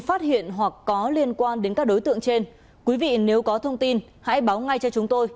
phát hiện hoặc có liên quan đến các đối tượng trên quý vị nếu có thông tin hãy báo ngay cho chúng tôi